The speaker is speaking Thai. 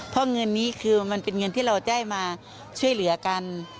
เพราะเงินนี้คือมันเป็นเงินที่เราได้มาช่วยเหลือกัน